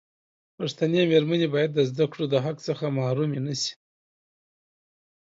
پښتنې مېرمنې باید د زدکړو دحق څخه محرومي نشي.